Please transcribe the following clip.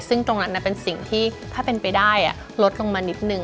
ซึ่งตรงนั้นเป็นสิ่งที่ถ้าเป็นไปได้ลดลงมานิดนึง